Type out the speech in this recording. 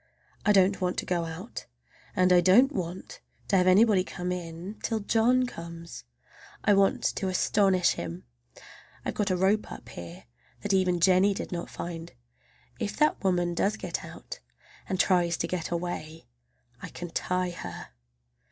I don't want to go out, and I don't want to have anybody come in, till John comes. I want to astonish him. I've got a rope up here that even Jennie did not find. If that woman does get out, and tries to get away, I can tie her!